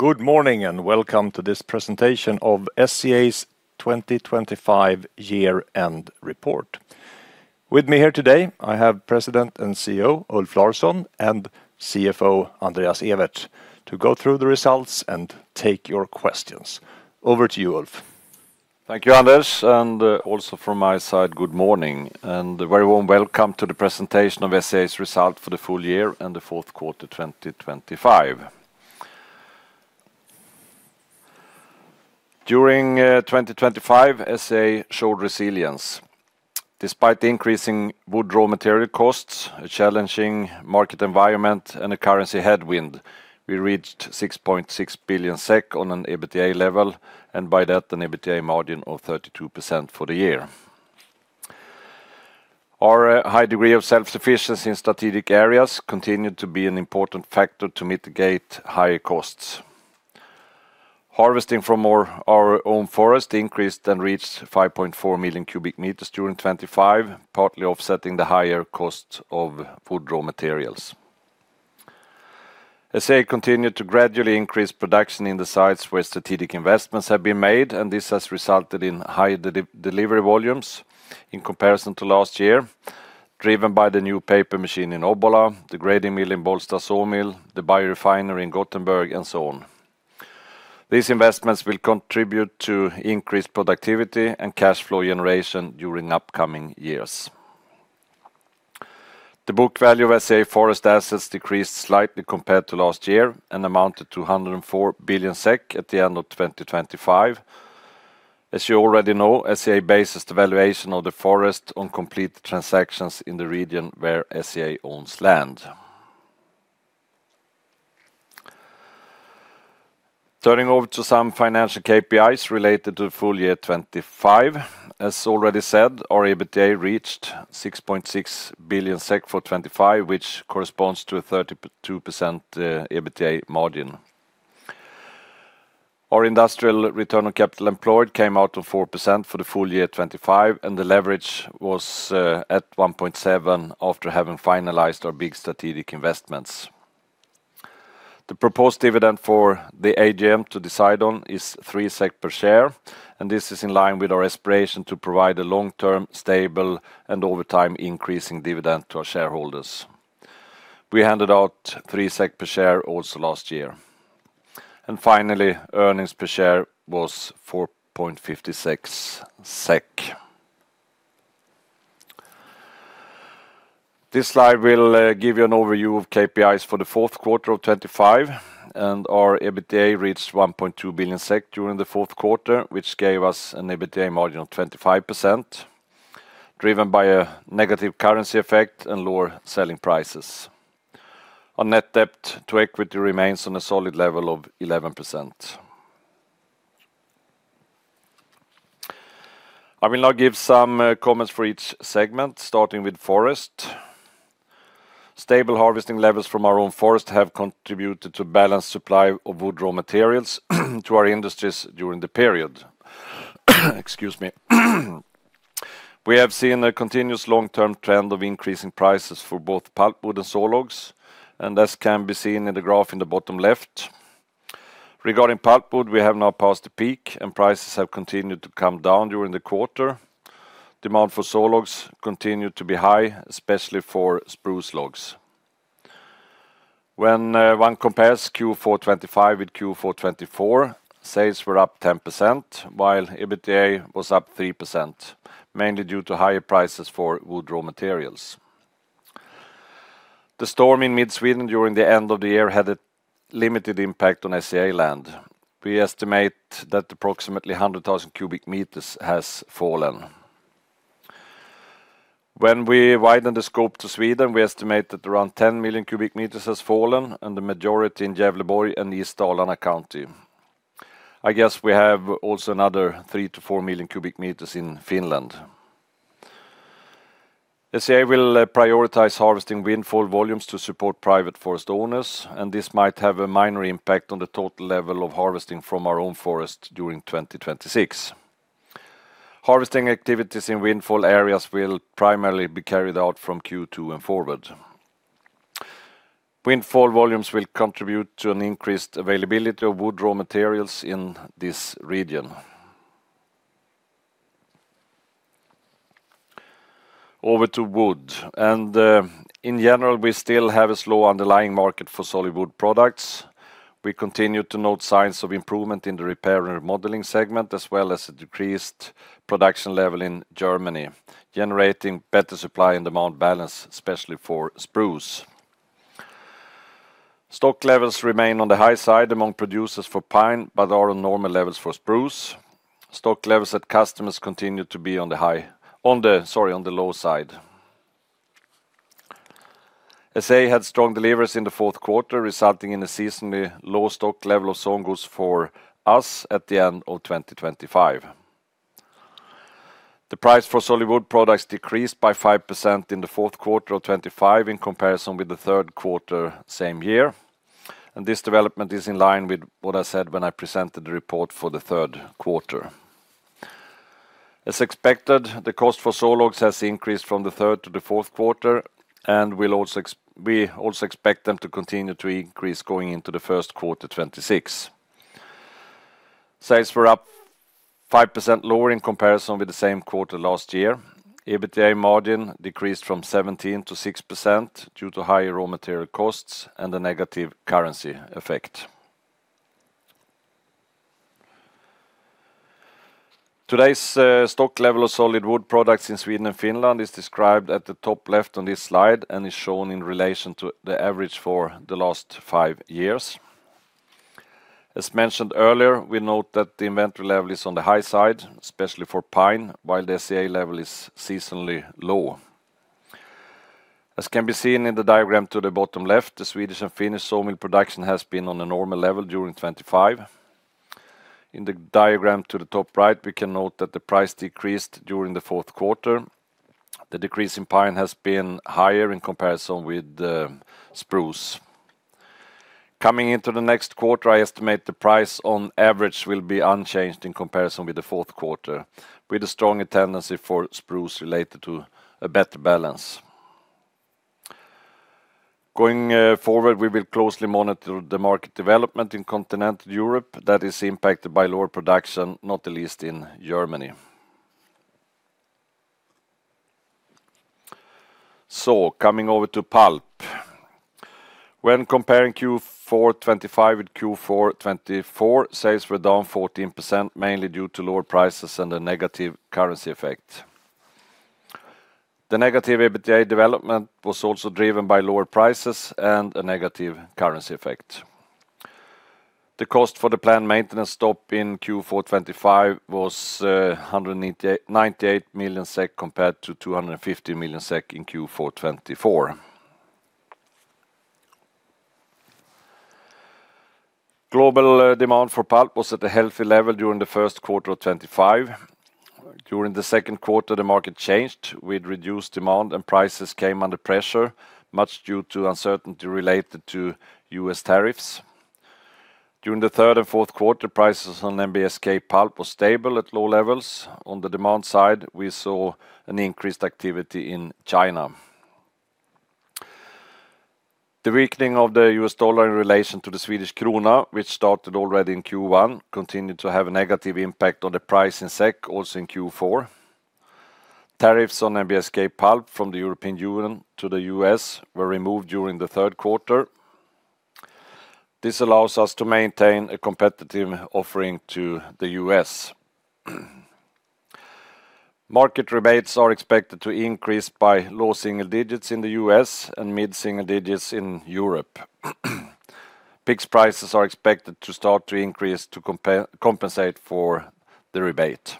Good morning, and welcome to this presentation of SCA's 2025 Year-end Report. With me here today, I have President and CEO, Ulf Larsson, and CFO, Andreas Ewertz, to go through the results and take your questions. Over to you, Ulf. Thank you, Anders, and also from my side, good morning, and a very warm welcome to the presentation of SCA's result for the full year and the fourth quarter, 2025. During 2025, SCA showed resilience. Despite the increasing wood raw material costs, a challenging market environment, and a currency headwind, we reached 6.6 billion SEK on an EBITDA level, and by that, an EBITDA margin of 32% for the year. Our high degree of self-sufficiency in strategic areas continued to be an important factor to mitigate higher costs. Harvesting from our own forest increased and reached 5.4 million cubic meters during 2025, partly offsetting the higher cost of wood raw materials. SCA continued to gradually increase production in the sites where strategic investments have been made, and this has resulted in high delivery volumes in comparison to last year, driven by the new paper machine in Obbola, the grading mill in Bollsta sawmill, the biorefinery in Gothenburg, and so on. These investments will contribute to increased productivity and cash flow generation during upcoming years. The book value of SCA forest assets decreased slightly compared to last year and amounted to 104 billion SEK at the end of 2025. As you already know, SCA bases the valuation of the forest on complete transactions in the region where SCA owns land. Turning over to some financial KPIs related to the full year 2025. As already said, our EBITDA reached 6.6 billion SEK for 2025, which corresponds to a 32% EBITDA margin. Our industrial return on capital employed came out to 4% for the full year 2025, and the leverage was at 1.7 after having finalized our big strategic investments. The proposed dividend for the AGM to decide on is 3 SEK per share, and this is in line with our aspiration to provide a long-term, stable, and over time, increasing dividend to our shareholders. We handed out 3 SEK per share also last year. Finally, earnings per share was 4.56 SEK. This slide will give you an overview of KPIs for the fourth quarter of 2025, and our EBITDA reached 1.2 billion SEK during the fourth quarter, which gave us an EBITDA margin of 25%, driven by a negative currency effect and lower selling prices. Our net debt to equity remains on a solid level of 11%. I will now give some comments for each segment, starting with forest. Stable harvesting levels from our own forest have contributed to balanced supply of wood raw materials to our industries during the period. Excuse me. We have seen a continuous long-term trend of increasing prices for both pulpwood and sawlogs, and this can be seen in the graph in the bottom left. Regarding pulpwood, we have now passed the peak, and prices have continued to come down during the quarter. Demand for sawlogs continued to be high, especially for spruce logs. When one compares Q4 2025 with Q4 2024, sales were up 10%, while EBITDA was up 3%, mainly due to higher prices for wood raw materials. The storm in mid-Sweden during the end of the year had a limited impact on SCA land. We estimate that approximately 100,000 cubic meters has fallen. When we widen the scope to Sweden, we estimate that around 10 million cubic meters has fallen, and the majority in Gävleborg and East Dalarna County. I guess we have also another 3-4 million cubic meters in Finland. SCA will prioritize harvesting windfall volumes to support private forest owners, and this might have a minor impact on the total level of harvesting from our own forest during 2026. Harvesting activities in windfall areas will primarily be carried out from Q2 and forward. Windfall volumes will contribute to an increased availability of wood raw materials in this region. Over to wood, and in general, we still have a slow underlying market for solid wood products. We continue to note signs of improvement in the repair and remodeling segment, as well as a decreased production level in Germany, generating better supply and demand balance, especially for spruce. Stock levels remain on the high side among producers for pine, but are on normal levels for spruce. Stock levels at customers continue to be on the low side. SCA had strong deliveries in the fourth quarter, resulting in a seasonally low stock level of sawn goods for us at the end of 2025. The price for solid wood products decreased by 5% in the fourth quarter of 2025 in comparison with the third quarter, same year. This development is in line with what I said when I presented the report for the third quarter. As expected, the cost for sawlogs has increased from the third to the fourth quarter, and we also expect them to continue to increase going into the first quarter 2026. Sales were up 5% lower in comparison with the same quarter last year. EBITDA margin decreased from 17% to 6% due to higher raw material costs and a negative currency effect. Today's stock level of solid wood products in Sweden and Finland is described at the top left on this slide and is shown in relation to the average for the last 5 years. As mentioned earlier, we note that the inventory level is on the high side, especially for pine, while the SCA level is seasonally low. As can be seen in the diagram to the bottom left, the Swedish and Finnish sawmill production has been on a normal level during 2025. In the diagram to the top right, we can note that the price decreased during the fourth quarter. The decrease in pine has been higher in comparison with spruce. Coming into the next quarter, I estimate the price on average will be unchanged in comparison with the fourth quarter, with a stronger tendency for spruce related to a better balance. Going forward, we will closely monitor the market development in continental Europe that is impacted by lower production, not the least in Germany. So coming over to pulp. When comparing Q4 2025 with Q4 2024, sales were down 14%, mainly due to lower prices and a negative currency effect. The negative EBITDA development was also driven by lower prices and a negative currency effect. The cost for the planned maintenance stop in Q4 2025 was ninety-eight million SEK, compared to 250 million SEK in Q4 2024. Global demand for pulp was at a healthy level during the first quarter of 2025. During the second quarter, the market changed, with reduced demand and prices came under pressure, much due to uncertainty related to U.S. tariffs. During the third and fourth quarter, prices on NBSK pulp was stable at low levels. On the demand side, we saw an increased activity in China. The weakening of the U.S. dollar in relation to the Swedish krona, which started already in Q1, continued to have a negative impact on the price in SEK, also in Q4. Tariffs on NBSK pulp from the European Union to the U.S. were removed during the third quarter. This allows us to maintain a competitive offering to the U.S. Market rebates are expected to increase by low single digits in the U.S. and mid-single digits in Europe. PIX prices are expected to start to increase to compensate for the rebate.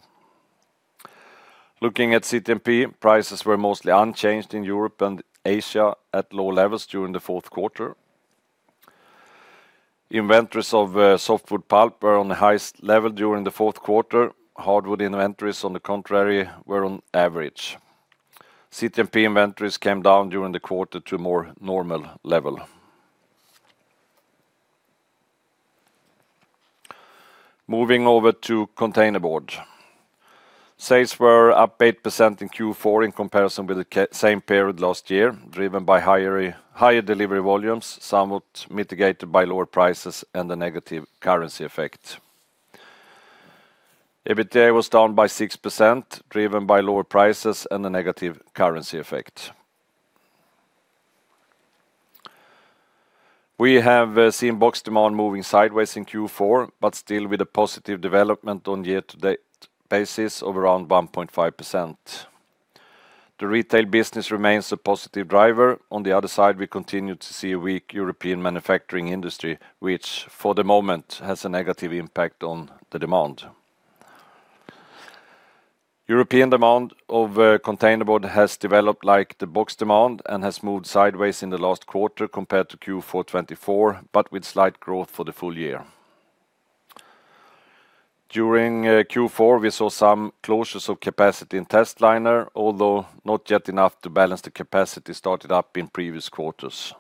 Looking at CTMP, prices were mostly unchanged in Europe and Asia at low levels during the fourth quarter. Inventories of softwood pulp were on the highest level during the fourth quarter. Hardwood inventories, on the contrary, were on average. CTMP inventories came down during the quarter to a more normal level. Moving over to containerboard. Sales were up 8% in Q4 in comparison with the same period last year, driven by higher delivery volumes, somewhat mitigated by lower prices and a negative currency effect. EBITDA was down by 6%, driven by lower prices and a negative currency effect. We have seen box demand moving sideways in Q4, but still with a positive development on year-to-date basis of around 1.5%. The retail business remains a positive driver. On the other side, we continue to see a weak European manufacturing industry, which, for the moment, has a negative impact on the demand. European demand of containerboard has developed like the box demand and has moved sideways in the last quarter compared to Q4 2024, but with slight growth for the full year. During Q4, we saw some closures of capacity in testliner, although not yet enough to balance the capacity started up in previous quarters.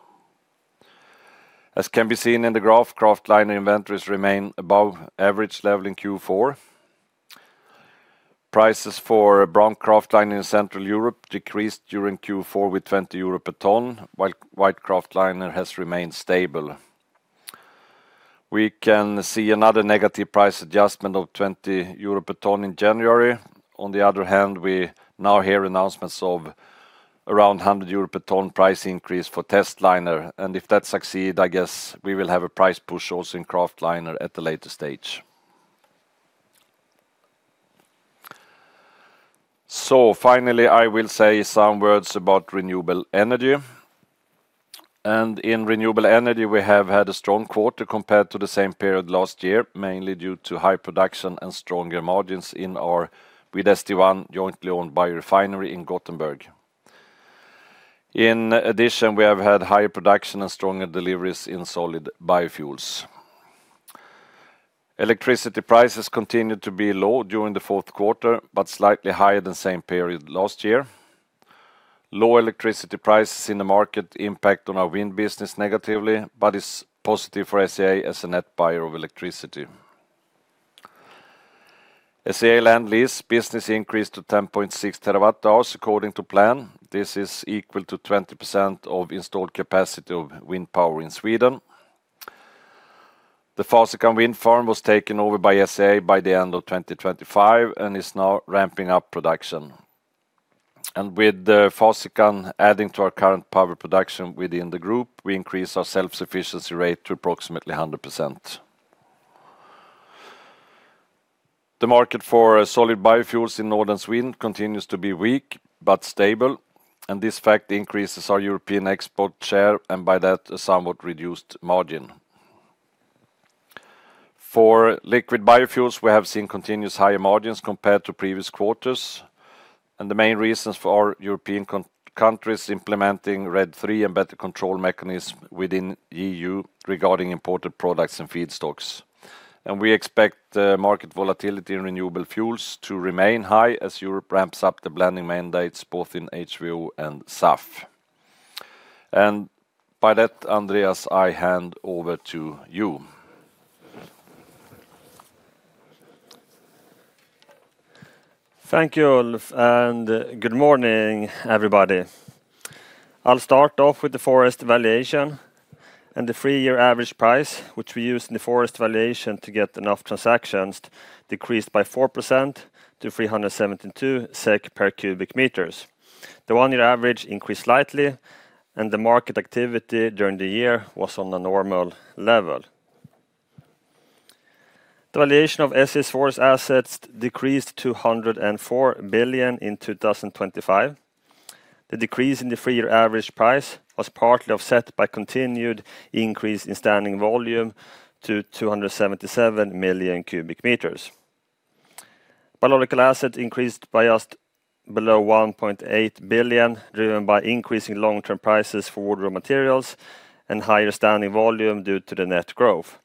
As can be seen in the graph, kraftliner inventories remain above average level in Q4. Prices for brown kraftliner in Central Europe decreased during Q4 with 20 euro per ton, while white kraftliner has remained stable. We can see another negative price adjustment of 20 euro per ton in January. On the other hand, we now hear announcements of around 100 euro per ton price increase for testliner, and if that succeed, I guess we will have a price push also in kraftliner at a later stage. So finally, I will say some words about renewable energy. In renewable energy, we have had a strong quarter compared to the same period last year, mainly due to high production and stronger margins in our with St1, jointly owned biorefinery in Gothenburg. In addition, we have had higher production and stronger deliveries in solid biofuels. Electricity prices continued to be low during the fourth quarter, but slightly higher than same period last year. Low electricity prices in the market impact on our wind business negatively, but is positive for SCA as a net buyer of electricity. SCA land lease business increased to 10.6 TWh according to plan. This is equal to 20% of installed capacity of wind power in Sweden. The Furas Wind Farm was taken over by SCA by the end of 2025, and is now ramping up production. And with the Furas adding to our current power production within the group, we increase our self-sufficiency rate to approximately 100%. The market for solid biofuels in Northern Sweden continues to be weak, but stable, and this fact increases our European export share, and by that, a somewhat reduced margin. For liquid biofuels, we have seen continuous higher margins compared to previous quarters, and the main reasons for our European countries implementing RED III and better control mechanism within EU regarding imported products and feedstocks. And we expect market volatility in renewable fuels to remain high as Europe ramps up the blending mandates, both in HVO and SAF. And by that, Andreas, I hand over to you. Thank you, Ulf, and good morning, everybody. I'll start off with the forest valuation and the three-year average price, which we use in the forest valuation to get enough transactions, decreased by 4% to 372 SEK per cubic meters. The one-year average increased slightly, and the market activity during the year was on a normal level. The valuation of SCA's forest assets decreased to 104 billion in 2025. The decrease in the three-year average price was partly offset by continued increase in standing volume to 277 million cubic meters. Biological asset increased by just below 1.8 billion, driven by increasing long-term prices for wood raw materials and higher standing volume due to the net growth.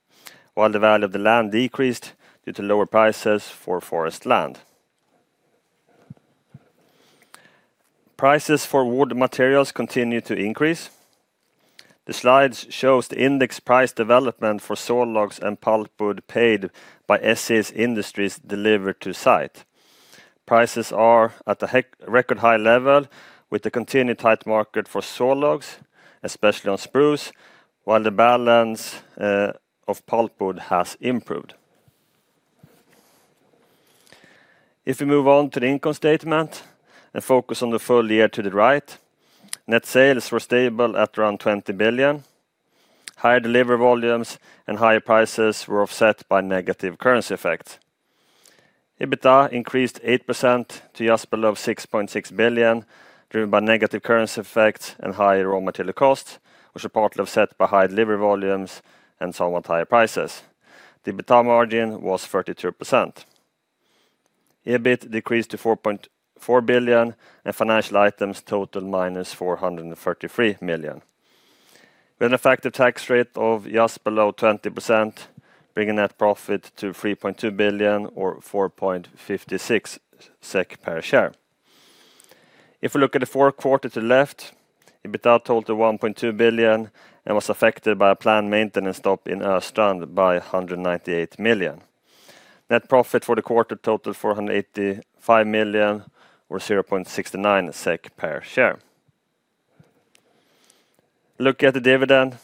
While the value of the land decreased due to lower prices for forest land. Prices for wood materials continue to increase. The slides show the index price development for sawlogs and pulpwood paid by SCA's industries delivered to site. Prices are at a record high level, with the continued tight market for sawlogs, especially on spruce, while the balance of pulpwood has improved. If we move on to the income statement and focus on the full year to the right, net sales were stable at around 20 billion. Higher delivery volumes and higher prices were offset by negative currency effect. EBITDA increased 8% to just below 6.6 billion, driven by negative currency effects and higher raw material costs, which are partly offset by high delivery volumes and somewhat higher prices. The EBITDA margin was 32%. EBIT decreased to 4.4 billion, and financial items total -433 million. We had an effective tax rate of just below 20%, bringing net profit to 3.2 billion or 4.56 SEK per share. If we look at the fourth quarter to the left, EBITDA total 1.2 billion, and was affected by a planned maintenance stop in Östrand by 198 million. Net profit for the quarter totaled 485 million or 0.69 SEK per share. Look at the dividend.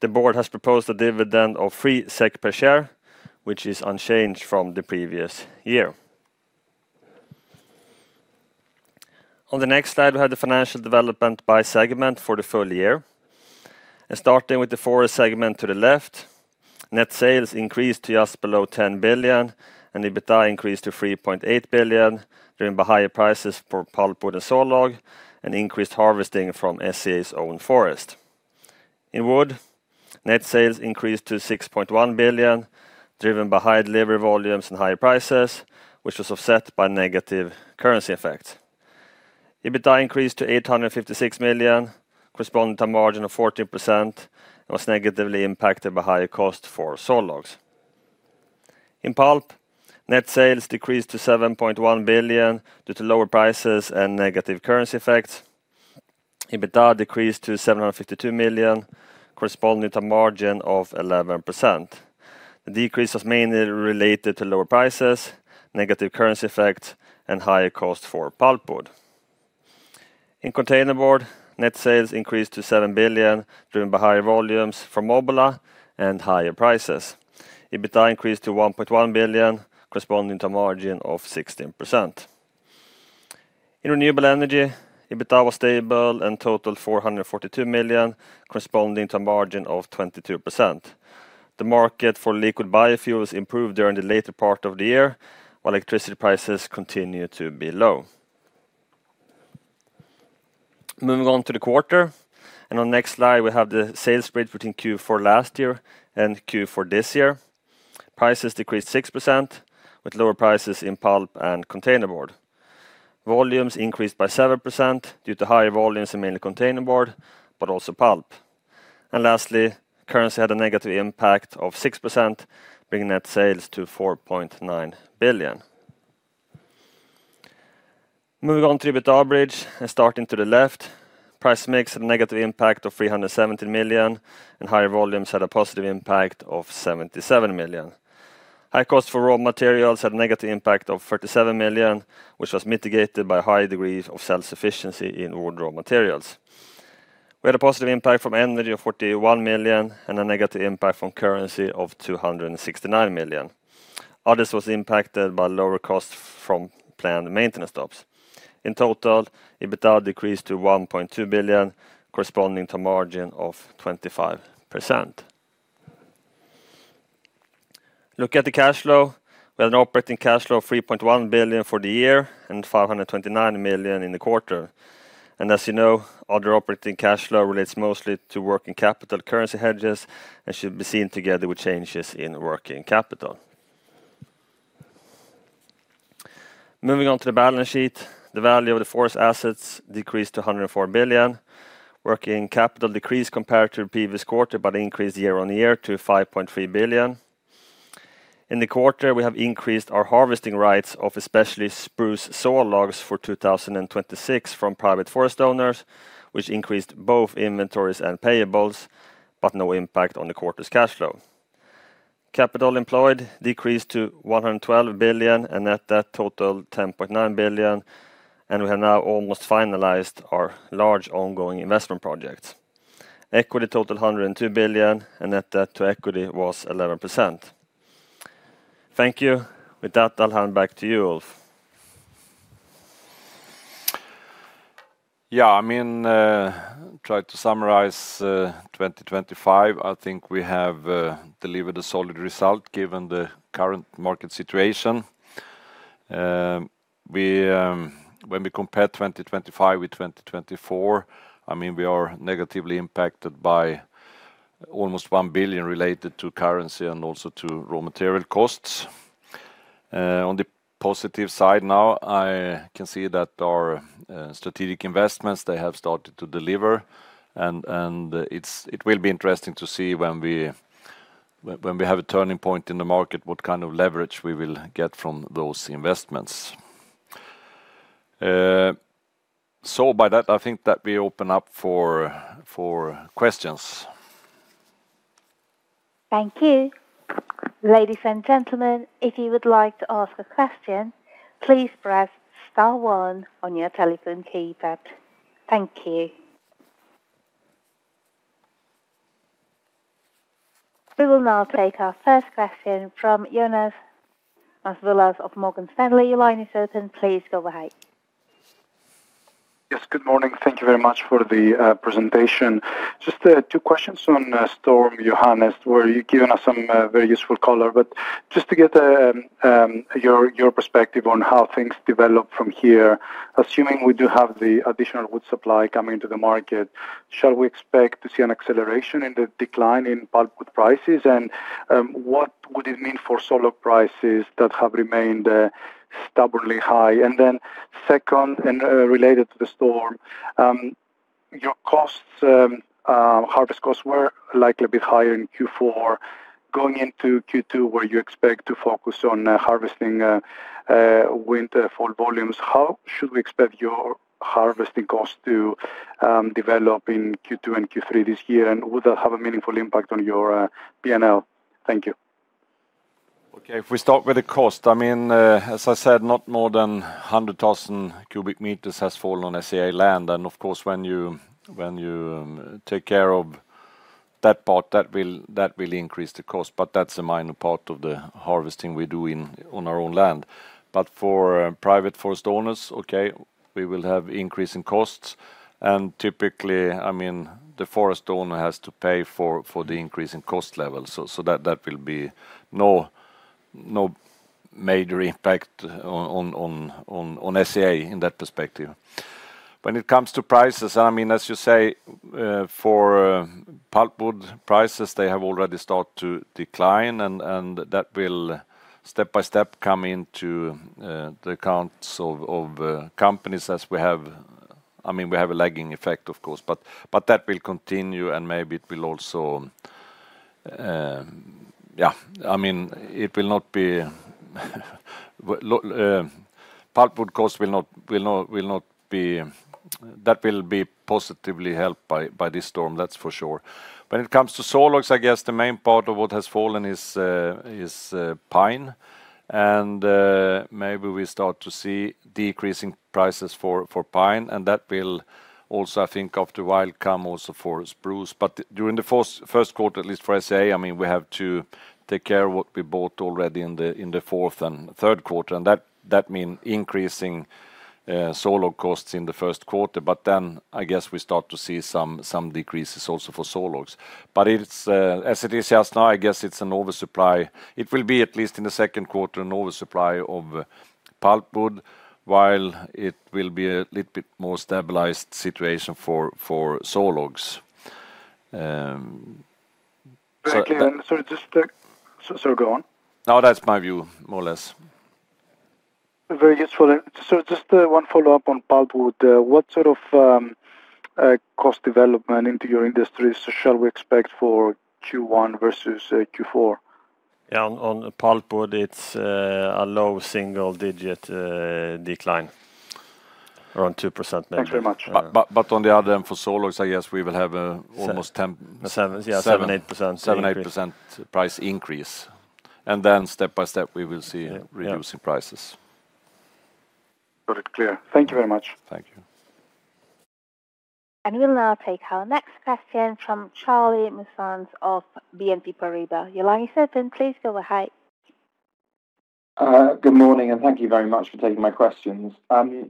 The board has proposed a dividend of 3 SEK per share, which is unchanged from the previous year. On the next slide, we have the financial development by segment for the full year. Starting with the forest segment to the left, net sales increased to just below 10 billion, and EBITDA increased to 3.8 billion, driven by higher prices for pulpwood and sawlogs, and increased harvesting from SCA's own forest. In wood, net sales increased to 6.1 billion, driven by high delivery volumes and high prices, which was offset by negative currency effects. EBITDA increased to 856 million, corresponding to a margin of 14%, and was negatively impacted by higher costs for sawlogs. In pulp, net sales decreased to 7.1 billion due to lower prices and negative currency effects. EBITDA decreased to 752 million, corresponding to a margin of 11%. The decrease was mainly related to lower prices, negative currency effects, and higher costs for pulpwood. In containerboard, net sales increased to 7 billion, driven by higher volumes from Obbola and higher prices. EBITDA increased to 1.1 billion, corresponding to a margin of 16%. In renewable energy, EBITDA was stable and totaled 442 million, corresponding to a margin of 22%. The market for liquid biofuels improved during the later part of the year, while electricity prices continued to be low. Moving on to the quarter, and on next slide, we have the sales spread between Q4 last year and Q4 this year. Prices decreased 6%, with lower prices in pulp and containerboard. Volumes increased by 7% due to higher volumes in mainly containerboard, but also pulp. And lastly, currency had a negative impact of 6%, bringing net sales to 4.9 billion. Moving on to EBITDA bridge, and starting to the left, price mix had a negative impact of 370 million, and higher volumes had a positive impact of 77 million. High cost for raw materials had a negative impact of 37 million, which was mitigated by high degrees of self-sufficiency in wood raw materials. We had a positive impact from energy of 41 million, and a negative impact from currency of 269 million. Others was impacted by lower costs from planned maintenance stops. In total, EBITDA decreased to 1.2 billion, corresponding to a margin of 25%. Look at the cash flow, we have an operating cash flow of 3.1 billion for the year and 529 million in the quarter. As you know, other operating cash flow relates mostly to working capital currency hedges, and should be seen together with changes in working capital. Moving on to the balance sheet, the value of the forest assets decreased to 104 billion. Working capital decreased compared to the previous quarter, but increased year-on-year to 5.3 billion. In the quarter, we have increased our harvesting rates of especially spruce sawlogs for 2026 from private forest owners, which increased both inventories and payables, but no impact on the quarter's cash flow. Capital employed decreased to 112 billion, and net debt totaled 10.9 billion, and we have now almost finalized our large ongoing investment projects. Equity totaled 102 billion, and net debt to equity was 11%. Thank you. With that, I'll hand back to you, Ulf. Yeah, I mean, try to summarize 2025. I think we have delivered a solid result given the current market situation. When we compare 2025 with 2024, I mean, we are negatively impacted by almost 1 billion related to currency and also to raw material costs. On the positive side now, I can see that our strategic investments, they have started to deliver, and it will be interesting to see when we have a turning point in the market, what kind of leverage we will get from those investments. So by that, I think that we open up for questions. Thank you. Ladies and gentlemen, if you would like to ask a question, please press star one on your telephone keypad. Thank you. We will now take our first question from Ioannis Masvoulas of Morgan Stanley. Your line is open. Please go ahead. Yes, good morning. Thank you very much for the presentation. Just two questions on Storm Hans, where you've given us some very useful color, but just to get your perspective on how things develop from here, assuming we do have the additional wood supply coming into the market, shall we expect to see an acceleration in the decline in pulpwood prices? And what would it mean for sawlog prices that have remained stubbornly high? And then second, and related to the storm, your costs, harvest costs were likely a bit higher in Q4. Going into Q2, where you expect to focus on harvesting windfall volumes, how should we expect your harvesting costs to develop in Q2 and Q3 this year, and would that have a meaningful impact on your PNL? Thank you. Okay. If we start with the cost, I mean, as I said, not more than 100,000 cubic meters has fallen on SCA land, and of course, when you take care of that part, that will increase the cost, but that's a minor part of the harvesting we do in on our own land. But for private forest owners, okay, we will have increasing costs, and typically, I mean, the forest owner has to pay for the increase in cost levels, so that will be no major impact on SCA in that perspective. When it comes to prices, I mean, as you say, for pulpwood prices, they have already start to decline, and that will step by step come into the accounts of companies as we have—I mean, we have a lagging effect, of course, but that will continue, and maybe it will also. I mean, it will not be, pulpwood costs will not be. That will be positively helped by this storm, that's for sure. When it comes to sawlogs, I guess the main part of what has fallen is pine, and maybe we start to see decreasing prices for pine, and that will also, I think, after a while, come also for spruce. But during the first quarter, at least for SCA, I mean, we have to take care of what we bought already in the fourth and third quarter, and that mean increasing sawlog costs in the first quarter, but then I guess we start to see some decreases also for sawlogs. But it's as it is just now, I guess it's an oversupply. It will be, at least in the second quarter, an oversupply of pulpwood, while it will be a little bit more stabilized situation for sawlogs. Sorry, just, so go on. No, that's my view, more or less. Very useful. So just one follow-up on pulpwood. What sort of cost development into your industry shall we expect for Q1 versus Q4? Yeah, on the pulpwood, it's a low single digit decline, around 2% maybe. Thanks very much. But, but, but on the other end, for sawlogs, I guess we will have almost 10. 7, yeah, 7, 8%. 7%-8% price increase, and then step by step, we will see a reduction in prices. Got it clear. Thank you very much. Thank you. We'll now take our next question from Charlie Muir-Sands of BNP Paribas. Your line is open. Please go ahead. Good morning, and thank you very much for taking my questions.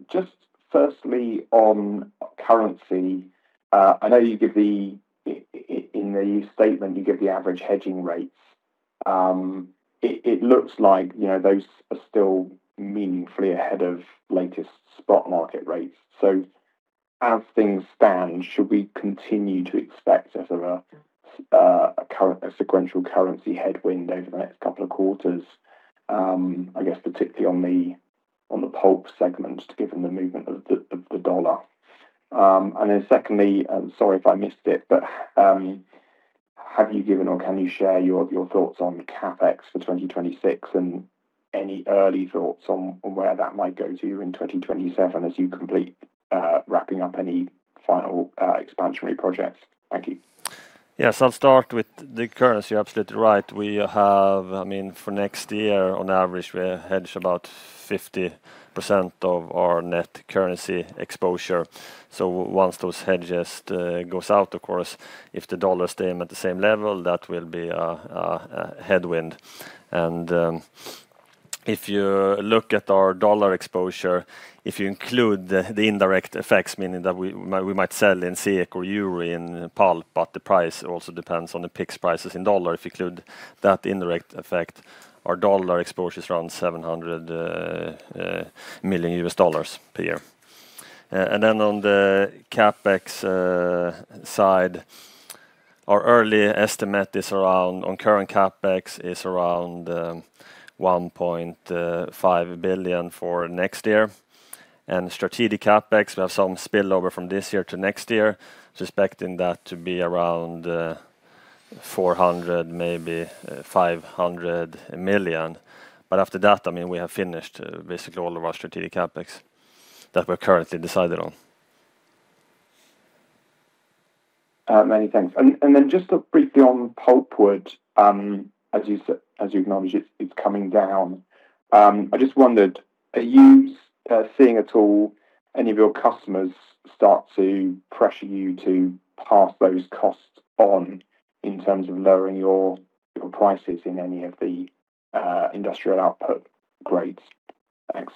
Just firstly, on currency, I know you give the in the statement you give the average hedging rates. It looks like, you know, those are still meaningfully ahead of latest spot market rates. So as things stand, should we continue to expect sort of a current sequential currency headwind over the next couple of quarters, I guess, particularly on the pulp segment, given the movement of the dollar? And then secondly, sorry if I missed it, but, have you given or can you share your thoughts on CapEx for 2026 and any early thoughts on where that might go to in 2027 as you complete wrapping up any final expansionary projects? Thank you. Yes, I'll start with the currency. You're absolutely right. We have, I mean, for next year, on average, we hedge about 50% of our net currency exposure. So once those hedges goes out, of course, if the dollar stay at the same level, that will be a headwind. And if you look at our dollar exposure, if you include the indirect effects, meaning that we might sell in SEK or euro in pulp, but the price also depends on the PIX prices in dollar. If you include that indirect effect, our dollar exposure is around $700 million per year. And then on the CapEx side, our early estimate is around, on current CapEx, is around 1.5 billion for next year. Strategic CapEx, we have some spillover from this year to next year, expecting that to be around 400 million, maybe 500 million. But after that, I mean, we have finished basically all of our strategic CapEx that we're currently decided on. Many thanks. And then just briefly on pulpwood, as you said, as you acknowledge, it's coming down. I just wondered, are you seeing at all any of your customers start to pressure you to pass those costs on in terms of lowering your prices in any of the industrial output grades? Thanks.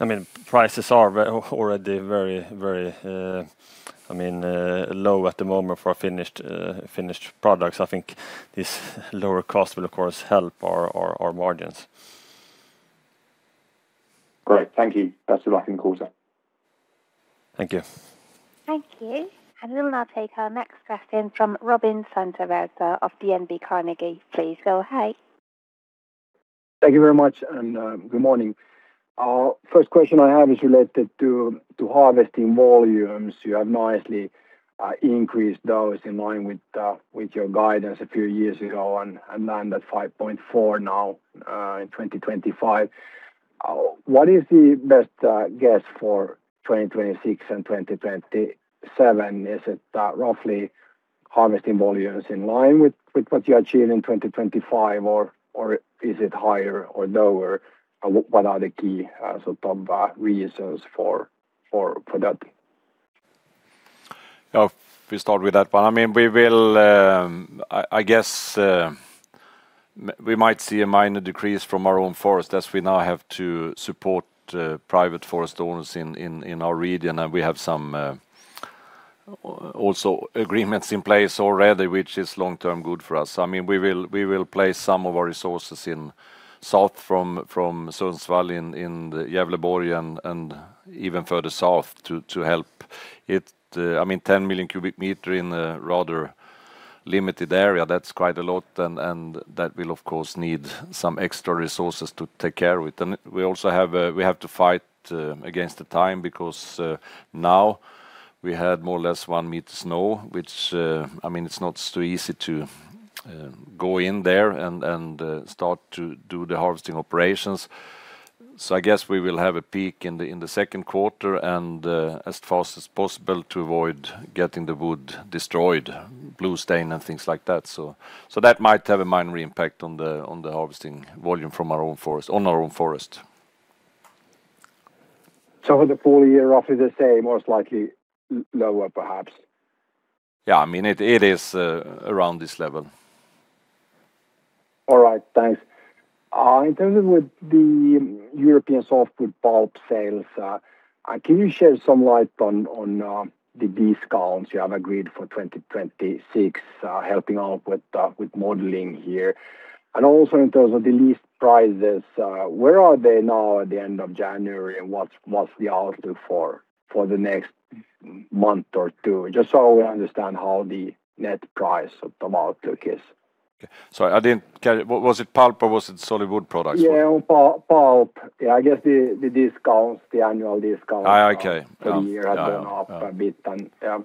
I mean, prices are already very, very low at the moment for finished products. I think this lower cost will, of course, help our margins. Great. Thank you. Best of luck in the quarter. Thank you. Thank you. We'll now take our next question from Robin Santavirta of Carnegie. Please go ahead. Thank you very much, and, good morning. First question I have is related to, to harvesting volumes. You have nicely, increased those in line with, with your guidance a few years ago, and, and landed at 5.4 now, in 2025. What is the best, guess for 2026 and 2027? Is it, roughly harvesting volumes in line with, with what you achieved in 2025, or, or is it higher or lower? What are the key, sort of, reasons for, for product? Yeah, if we start with that one, I mean, we will, I guess, we might see a minor decrease from our own forest, as we now have to support private forest owners in our region, and we have some also agreements in place already, which is long-term good for us. I mean, we will place some of our resources in south from Sundsvall in the Gävleborg and even further south to help it. I mean, 10 million cubic meters in a rather limited area, that's quite a lot, and that will, of course, need some extra resources to take care of it. We also have to fight against the time, because now we had more or less one meter snow, which I mean, it's not so easy to go in there and start to do the harvesting operations. So I guess we will have a peak in the second quarter, and as fast as possible to avoid getting the wood destroyed, blue stain, and things like that. So that might have a minor impact on the harvesting volume from our own forest. For the full year, roughly the same, most likely lower, perhaps? Yeah, I mean, it is around this level. All right, thanks. In terms of with the European softwood pulp sales, can you shed some light on the discounts you have agreed for 2026, helping out with modeling here? And also, in terms of the list prices, where are they now at the end of January, and what's the outlook for the next month or two? Just so we understand how the net price outlook is. Sorry, I didn't get it. What, was it pulp or was it solid wood products? Yeah, on pulp, pulp. Yeah, I guess the discounts, the annual discount- Ah, okay. For the year have gone up a bit then, yeah.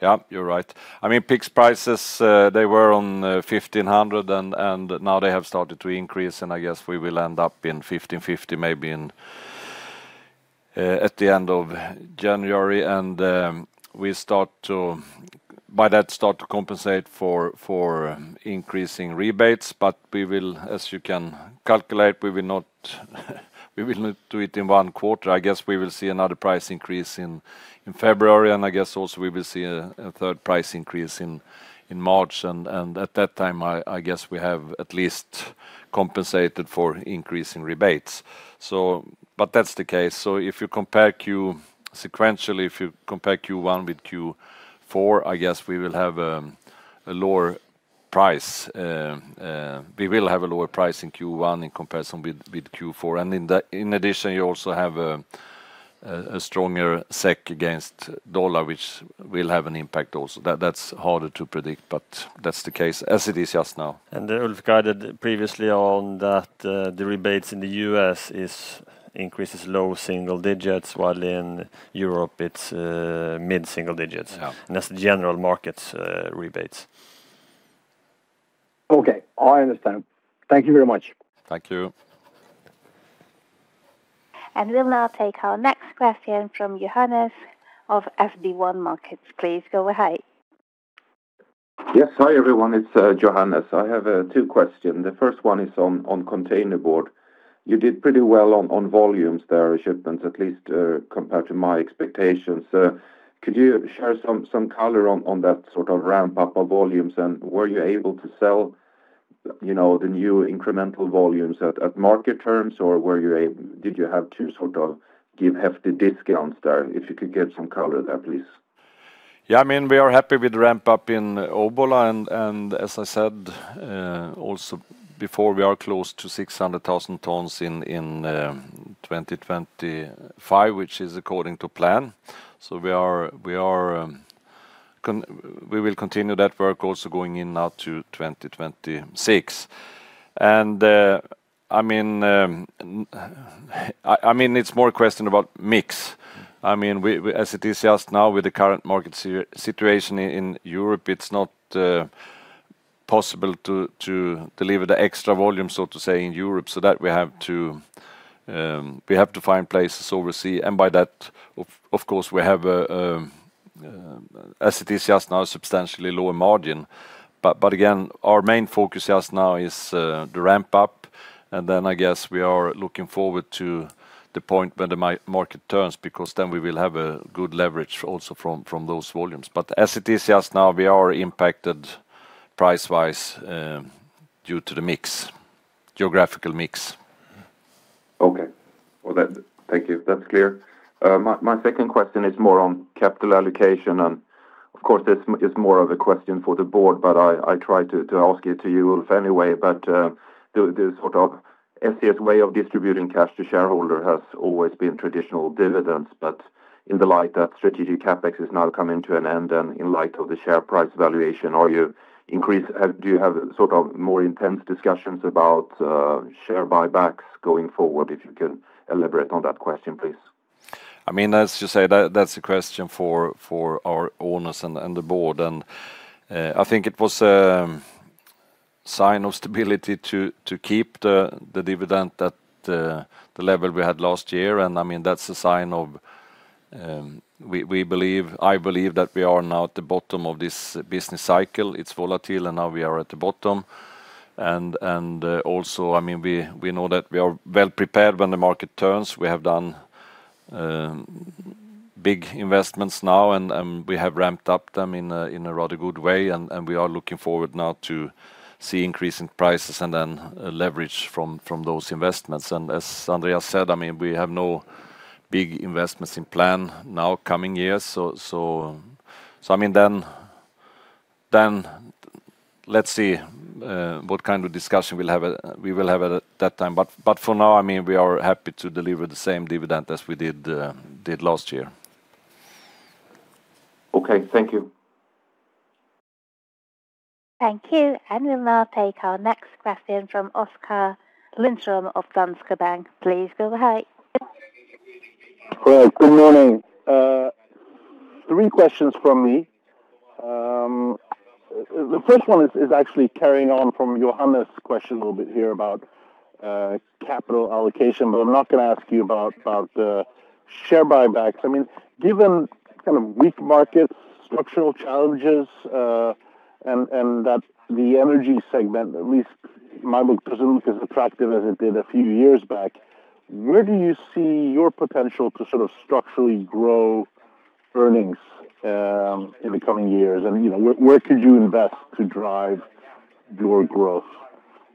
Yeah, you're right. I mean, PIX prices, they were on 1,500, and now they have started to increase, and I guess we will end up in 1,550, maybe at the end of January. And we start to compensate for increasing rebates. But we will, as you can calculate, we will not do it in one quarter. I guess we will see another price increase in February, and I guess also we will see a third price increase in March. And at that time, I guess we have at least compensated for increase in rebates. So, but that's the case. So if you compare Q sequentially, if you compare Q1 with Q4, I guess we will have a lower price. We will have a lower price in Q1 in comparison with Q4. And in addition, you also have a stronger SEK against the dollar, which will have an impact also. That's harder to predict, but that's the case as it is just now. And then Ulf guided previously on that, the rebates in the U.S. is increases low single digits, while in Europe, it's mid-single digits That's the general markets, rebates. Okay, I understand. Thank you very much. Thank you. We'll now take our next question from Johannes of SB1 Markets. Please go ahead. Yes, hi, everyone. It's Johannes. I have two questions. The first one is on containerboard. You did pretty well on volumes there, shipments, at least, compared to my expectations. Could you share some color on that sort of ramp up of volumes? And were you able to sell, you know, the new incremental volumes at market terms, or did you have to sort of give hefty discounts there? If you could give some color there, please. Yeah, I mean, we are happy with ramp up in Obbola, and as I said also before, we are close to 600,000 tons in 2025, which is according to plan. So we are. We will continue that work also going in now to 2026. And, I mean, it's more a question about mix. I mean, we, as it is just now, with the current market situation in Europe, it's not possible to deliver the extra volume, so to say, in Europe, so that we have to find places overseas. And by that, of course, we have a, as it is just now, substantially lower margin. But again, our main focus just now is the ramp up, and then I guess we are looking forward to the point when the market turns, because then we will have a good leverage also from those volumes. But as it is just now, we are impacted price-wise due to the mix, geographical mix. Okay. Well, thank you. That's clear. My second question is more on capital allocation, and of course, this is more of a question for the board, but I try to ask it to you, Ulf, anyway. But the sort of SCA way of distributing cash to shareholder has always been traditional dividends, but in the light that strategic CapEx is now coming to an end and in light of the share price valuation, do you have sort of more intense discussions about share buybacks going forward? If you can elaborate on that question, please. I mean, as you say, that's a question for our owners and the board. And I think it was a sign of stability to keep the dividend at the level we had last year. And I mean, that's a sign of we believe, I believe, that we are now at the bottom of this business cycle. It's volatile, and now we are at the bottom. And also, I mean, we know that we are well prepared when the market turns. We have done big investments now, and we have ramped up them in a rather good way, and we are looking forward now to see increasing prices and then leverage from those investments. And as Andreas said, I mean, we have no big investments in plan now coming years. So, then let's see what kind of discussion we'll have at that time. But for now, I mean, we are happy to deliver the same dividend as we did last year. Okay. Thank you. Thank you. We'll now take our next question from Oskar Lindström of Danske Bank. Please go ahead. All right. Good morning. Three questions from me. The first one is actually carrying on from Johannes' question a little bit here about capital allocation, but I'm not gonna ask you about share buybacks. I mean, given kind of weak markets, structural challenges, and that the energy segment, at least, might look, presumably, as attractive as it did a few years back, where do you see your potential to sort of structurally grow earnings in the coming years? And, you know, where could you invest to drive your growth?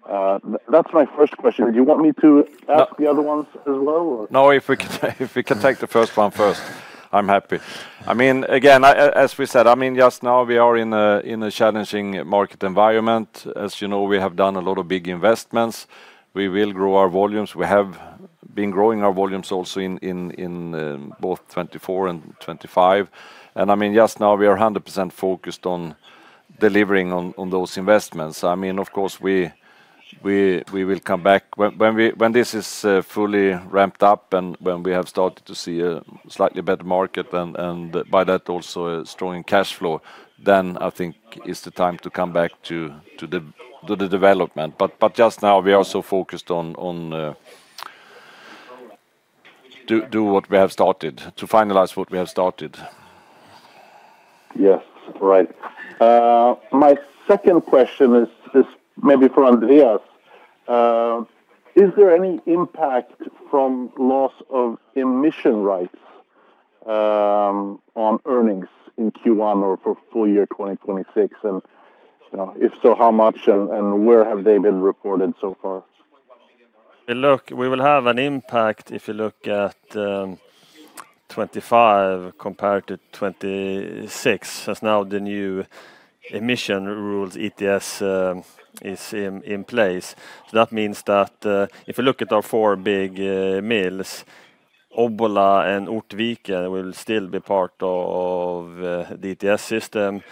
That's my first question. Do you want me to ask the other ones as well, or? No, if we can take the first one first, I'm happy. I mean, again, as we said, I mean, just now, we are in a challenging market environment. As you know, we have done a lot of big investments. We will grow our volumes. We have been growing our volumes also in both 2024 and 2025. And, I mean, just now we are 100% focused on delivering on those investments. I mean, of course, we will come back. When this is fully ramped up, and when we have started to see a slightly better market, and by that, also a strong cash flow, then I think is the time to come back to the development. But just now we are so focused on to do what we have started, to finalize what we have started. Yes, right. My second question is, is maybe for Andreas. Is there any impact from loss of emission rights on earnings in Q1 or for full year 2026? And, if so, how much, and where have they been reported so far? Look, we will have an impact if you look at 2025 compared to 2026, as now the new emission rules, ETS, is in place. So that means that if you look at our four big mills, Obbola and Ortviken will still be part of the ETS system,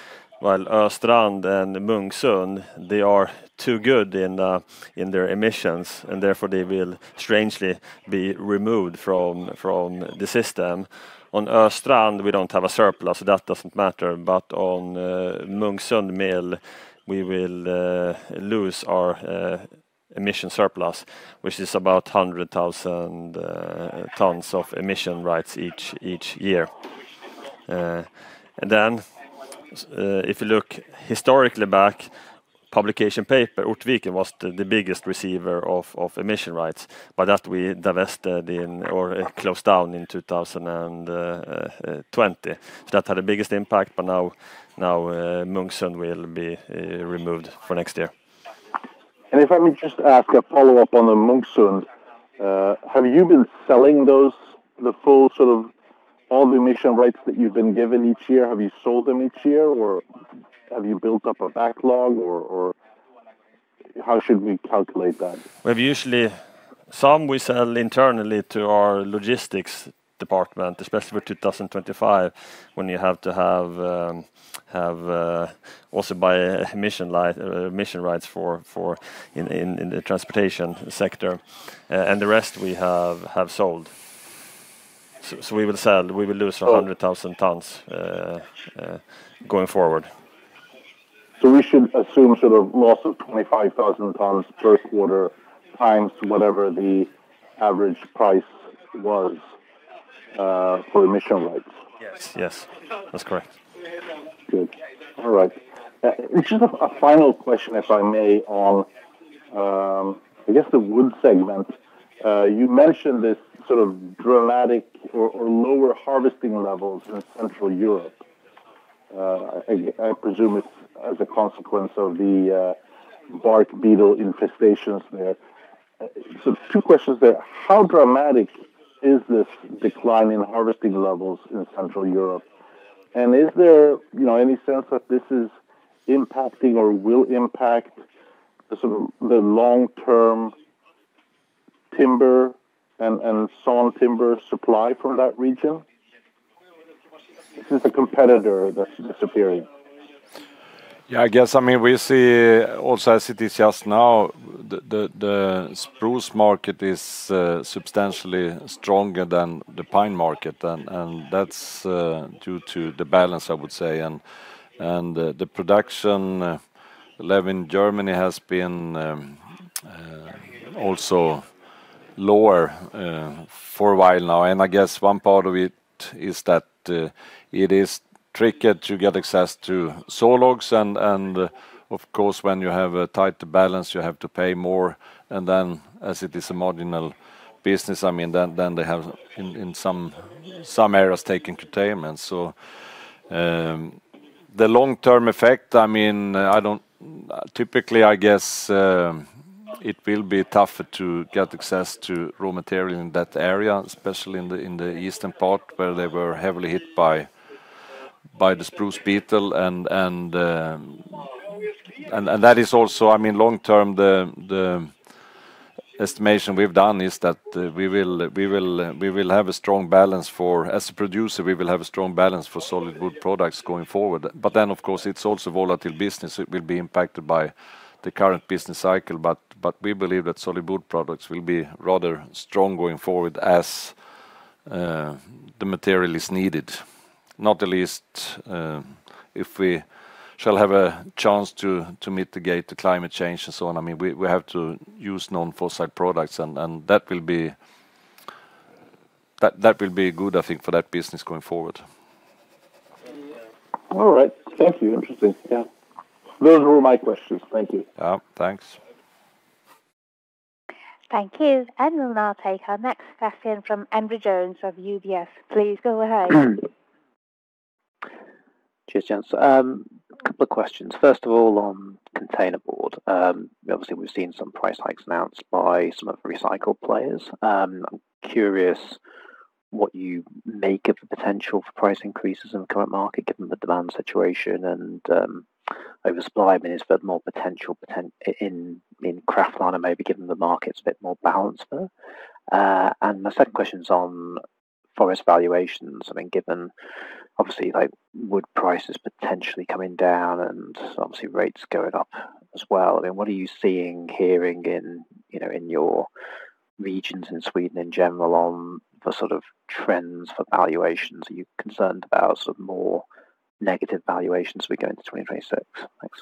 while Östrand and Munksund, they are too good in their emissions, and therefore they will strangely be removed from the system. On Östrand, we don't have a surplus, so that doesn't matter. But on Munksund Mill, we will lose our emission surplus, which is about 100,000 tons of emission rights each year. And then, if you look historically back, publication paper, Ortviken was the biggest receiver of emission rights, but that we divested in or closed down in 2020. So that had the biggest impact, but now, Munksund will be removed for next year. If I may just ask a follow-up on the Munksund. Have you been selling those, the full sort of all the emission rights that you've been given each year? Have you sold them each year, or have you built up a backlog, or how should we calculate that? We've usually some we sell internally to our logistics department, especially for 2025, when you have to have also buy emission rights for in the transportation sector, and the rest we have sold. So we will sell, we will lose 100,000 tons going forward. So we should assume sort of loss of 25,000 tons per quarter, times whatever the average price was, for emission rights? Yes. Yes, that's correct. Good. All right. Just a final question, if I may, on, I guess the wood segment. You mentioned this sort of dramatic or lower harvesting levels in Central Europe. I presume it's as a consequence of the bark beetle infestations there. So two questions there: How dramatic is this decline in harvesting levels in Central Europe? And is there, you know, any sense that this is impacting or will impact the sort of the long-term timber and saw timber supply from that region? This is a competitor that's disappearing. Yeah, I guess, I mean, we see also, as it is just now, the spruce market is substantially stronger than the pine market, and that's due to the balance, I would say. And the production level in Germany has been also lower for a while now. And I guess one part of it is that it is trickier to get access to sawlogs. And of course, when you have a tighter balance, you have to pay more, and then as it is a marginal business, I mean, then they have in some areas taken curtailment. So, the long-term effect, I mean, I don't... Typically, I guess, it will be tougher to get access to raw material in that area, especially in the eastern part, where they were heavily hit by the spruce beetle. And that is also—I mean, long term, the estimation we've done is that we will have a strong balance for solid wood products going forward. As a producer, we will have a strong balance for solid wood products going forward. But then, of course, it's also a volatile business; it will be impacted by the current business cycle. But we believe that solid wood products will be rather strong going forward as the material is needed. Not the least, if we shall have a chance to mitigate the climate change and so on, I mean, we have to use non-fossil products, and that will be good, I think, for that business going forward. All right. Thank you. Interesting. Yeah. Those were all my questions. Thank you. Uh, thanks. Thank you. We'll now take our next question from Andrew Jones of UBS. Please go ahead. Cheers, gents. A couple of questions. First of all, on containerboard. Obviously, we've seen some price hikes announced by some of the recycled players. I'm curious what you make of the potential for price increases in the current market, given the demand situation and oversupply. I mean, is there more potential in kraftliner maybe, given the market's a bit more balanced now? And my second question is on forest valuations. I mean, given obviously, like, wood prices potentially coming down and obviously rates going up as well, I mean, what are you seeing, hearing in, you know, in your regions in Sweden in general on the sort of trends for valuations? Are you concerned about some more negative valuations as we go into 2026? Thanks.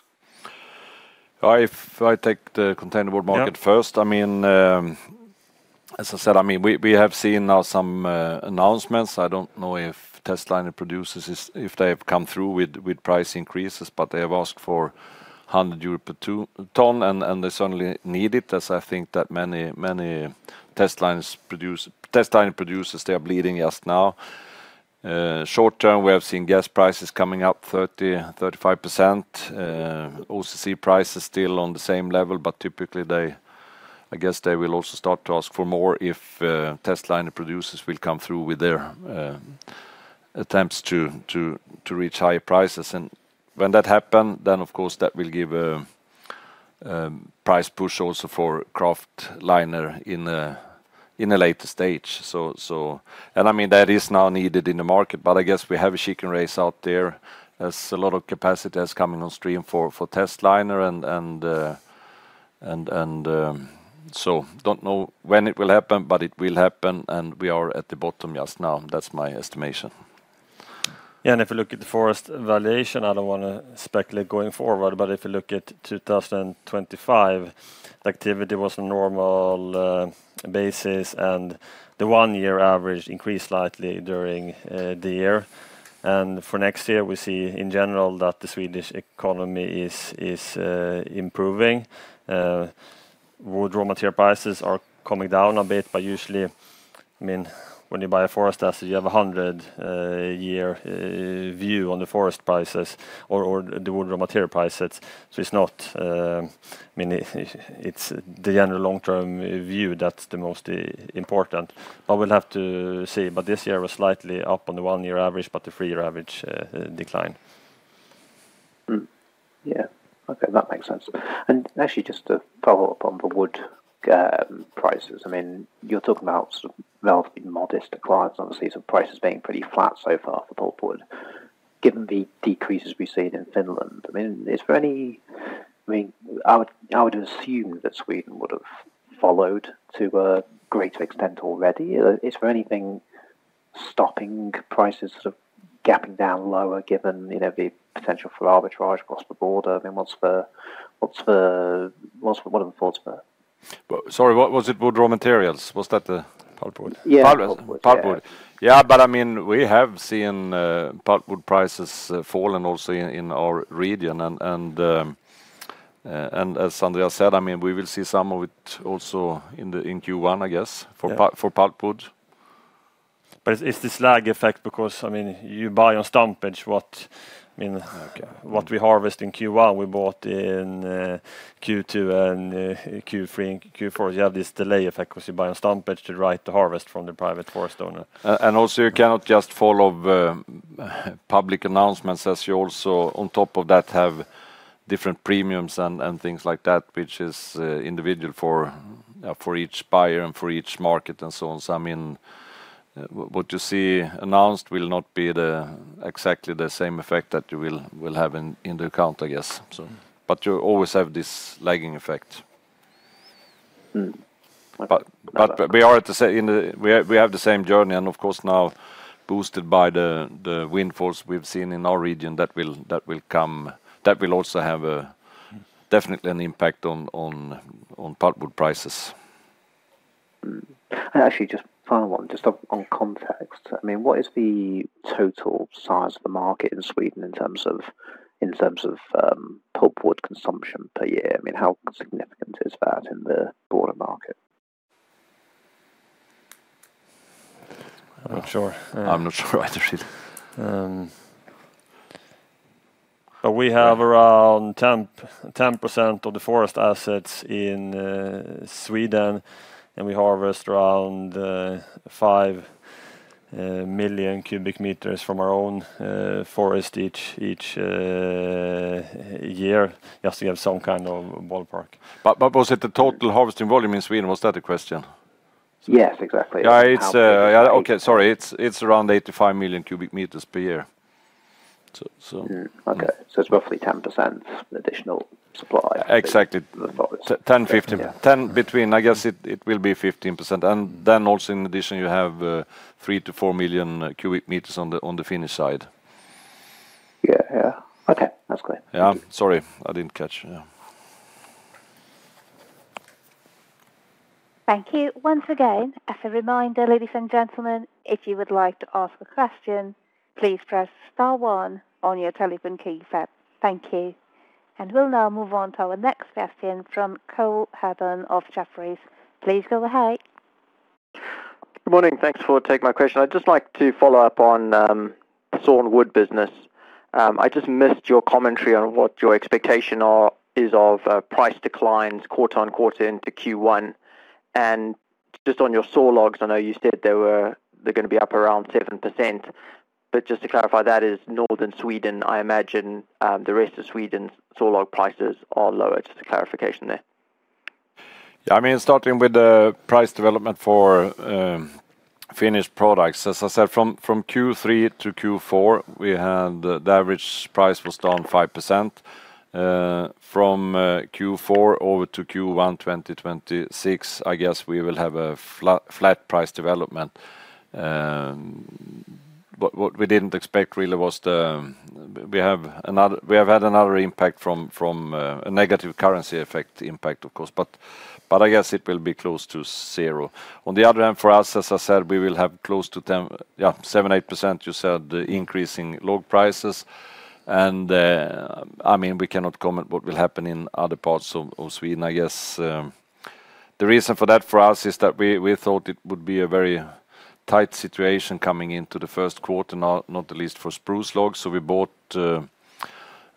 If I take the containerboard market first. I mean, as I said, I mean, we have seen now some announcements. I don't know if testliner producers if they have come through with price increases, but they have asked for 100 euro per tonne, and they certainly need it, as I think that many testliner producers, they are bleeding just now. Short term, we have seen gas prices coming up 30%-35%. OCC price is still on the same level, but typically, they, I guess they will also start to ask for more if testliner producers will come through with their attempts to reach higher prices. And when that happen, then, of course, that will give a price push also for kraftliner in a later stage. So, so... And I mean, that is now needed in the market, but I guess we have a chicken race out there. There's a lot of capacity that's coming on stream for testliner and. So don't know when it will happen, but it will happen, and we are at the bottom just now. That's my estimation. Yeah, and if you look at the forest valuation, I don't want to speculate going forward, but if you look at 2025, the activity was a normal basis, and the one-year average increased slightly during the year. And for next year, we see in general that the Swedish economy is improving. Wood raw material prices are coming down a bit, but usually, I mean, when you buy a forest asset, you have a 100-year view on the forest prices or the wood raw material prices. So it's not, I mean, it's the general long-term view that's the most important. But we'll have to see, but this year was slightly up on the one-year average, but the three-year average declined. Yeah. Okay, that makes sense. And actually, just to follow up on the wood prices, I mean, you're talking about sort of relatively modest declines, obviously, so prices being pretty flat so far for pulpwood. Given the decreases we've seen in Finland, I mean, is there any... I mean, I would assume that Sweden would have followed to a greater extent already. Is there anything stopping prices sort of gapping down lower, given, you know, the potential for arbitrage across the board? I mean, what are the thoughts there? Sorry, what was it? Wood raw materials, was that the. Pulpwood. Pulpwood. Pulpwood. Yeah, but I mean, we have seen pulpwood prices fallen also in our region. And as Andreas said, I mean, we will see some of it also in Q1, I guess. For pulpwood. But it's this lag effect, because, I mean, you buy on stumpage what, I mean. Okay. What we harvest in Q1, we bought in, Q2 and Q3, and Q4. You have this delay effect 'cause you buy on stumpage to write the harvest from the private forest owner. And also, you cannot just follow public announcements, as you also, on top of that, have different premiums and things like that, which is individual for each buyer and for each market and so on. So I mean, what you see announced will not be exactly the same effect that you will have in the account, I guess. But you always have this lagging effect. But we are at the same, we have the same journey, and of course, now boosted by the windfalls we've seen in our region, that will also have definitely an impact on pulpwood prices. And actually, just final one, just on, on context. I mean, what is the total size of the market in Sweden in terms of, in terms of, pulpwood consumption per year? I mean, how significant is that in the broader market? I'm not sure. I'm not sure either, really. But we have around 10, 10% of the forest assets in Sweden, and we harvest around 5 million cubic meters from our own forest each year. Just to give some kind of ballpark. But, but, was it the total harvesting volume in Sweden? Was that the question? Yes, exactly. Yeah, okay. Sorry. It's around 85 million cubic meters per year. Okay, so it's roughly 10% additional supply. Exactly. The forest. 10, 15. Then between, I guess it will be 15%. And then also in addition, you have 3-4 million cubic meters on the Finnish side. Yeah, yeah. Okay, that's great. Yeah. Sorry, I didn't catch, yeah. Thank you once again. As a reminder, ladies and gentlemen, if you would like to ask a question, please press star one on your telephone keypad. Thank you. And we'll now move on to our next question from Cole Hathorn of Jefferies. Please go ahead. Good morning. Thanks for taking my question. I'd just like to follow up on sawnwood business. I just missed your commentary on what your expectation are, is of price declines quarter on quarter into Q1. And just on your saw logs, I know you said they were- they're gonna be up around 7%, but just to clarify, that is northern Sweden, I imagine, the rest of Sweden's saw log prices are lower. Just a clarification there. Yeah, I mean, starting with the price development for finished products. As I said, from Q3 to Q4, we had the average price was down 5%. From Q4 over to Q1 2026, I guess we will have a flat price development. But what we didn't expect really was we have had another impact from a negative currency effect impact, of course, but I guess it will be close to zero. On the other hand, for us, as I said, we will have close to 10%... Yeah, 7-8%, you said, the increase in log prices. I mean, we cannot comment what will happen in other parts of Sweden. I guess, the reason for that for us is that we, we thought it would be a very tight situation coming into the first quarter, not, not the least for spruce logs. So we bought,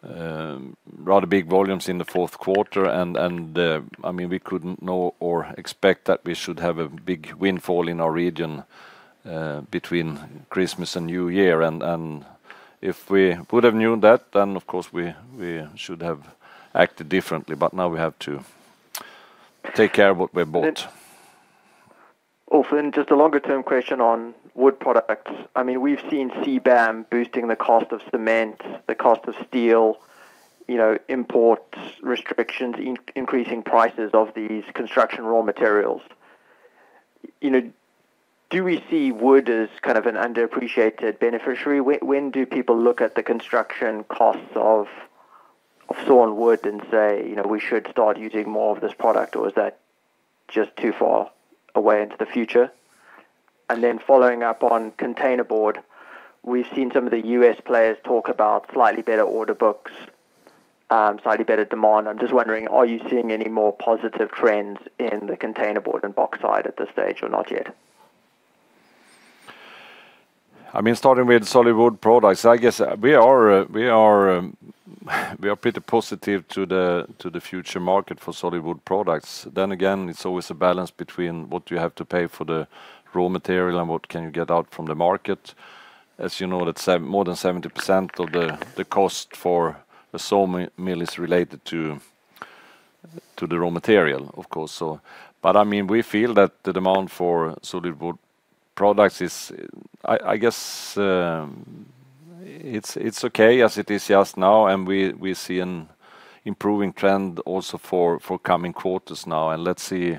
rather big volumes in the fourth quarter, and, and, I mean, we couldn't know or expect that we should have a big windfall in our region, between Christmas and New Year. And, if we would have known that, then of course, we, we should have acted differently, but now we have to take care of what we bought. Also, and just a longer-term question on wood products. I mean, we've seen CBAM boosting the cost of cement, the cost of steel, you know, imports, restrictions, increasing prices of these construction raw materials. You know, do we see wood as kind of an underappreciated beneficiary? When, when do people look at the construction costs of, of sawn wood and say, "You know, we should start using more of this product," or is that just too far away into the future? And then following up on containerboard, we've seen some of the U.S. players talk about slightly better order books, slightly better demand. I'm just wondering, are you seeing any more positive trends in the containerboard and box side at this stage, or not yet? I mean, starting with solid wood products, I guess we are pretty positive to the future market for solid wood products. Then again, it's always a balance between what you have to pay for the raw material and what can you get out from the market. As you know, more than 70% of the cost for a sawmill is related to the raw material, of course, so. But, I mean, we feel that the demand for solid wood products is, I guess, it's okay as it is just now, and we see an improving trend also for coming quarters now, and let's see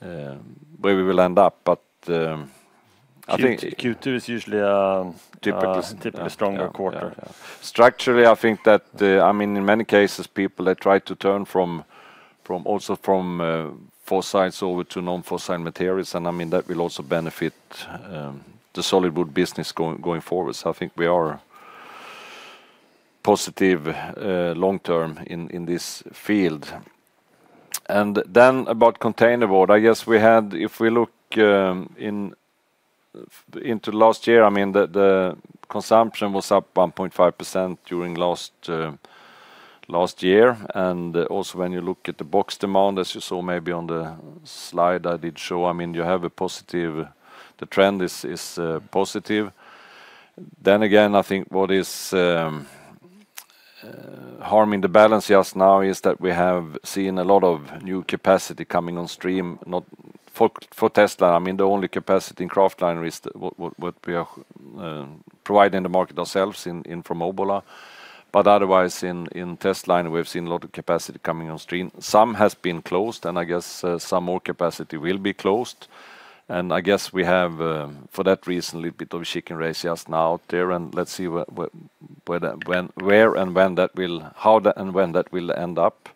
where we will end up. But I think- Q2 is usually. Typically Typically a stronger quarter. Yeah, yeah. Structurally, I think that, I mean, in many cases, people they try to turn from, from also from, fossil side over to non-fossil side materials, and, I mean, that will also benefit, the solid wood business going, going forward. So I think we are positive, long term in, in this field. And then about containerboard, I guess we had... If we look, in, into last year, I mean, the, the consumption was up 1.5% during last, last year. And also, when you look at the box demand, as you saw maybe on the slide I did show, I mean, you have a positive, the trend is, is, positive. Then again, I think what is harming the balance just now is that we have seen a lot of new capacity coming on stream, not for kraftliner. I mean, the only capacity in kraftliner is what we are providing in the market ourselves in from Obbola. But otherwise, in testliner, we've seen a lot of capacity coming on stream. Some has been closed, and I guess some more capacity will be closed. And I guess we have, for that reason, a little bit of chicken race just now out there, and let's see what whether, when, where and when that will- how and when that will end up.